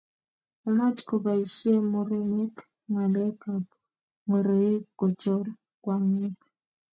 amatkoboisie murenik ng'alekab ngoroik kochoor kwonyik